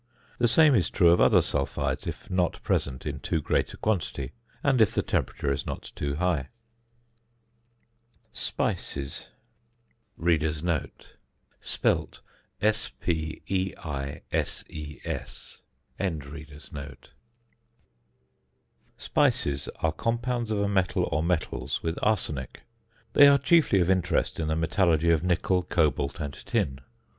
The same is true of other sulphides if not present in too great a quantity, and if the temperature is not too high. Speises are compounds of a metal or metals with arsenic. They are chiefly of interest in the metallurgy of nickel, cobalt, and tin.